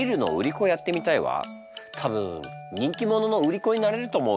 多分人気者の売り子になれると思うの。